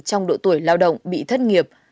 trong độ tuổi lao động bị thất nghiệp